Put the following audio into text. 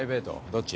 どっち？